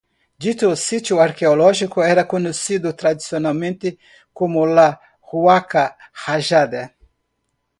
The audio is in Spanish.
Dicho sitio arqueológico era conocido tradicionalmente como la Huaca Rajada.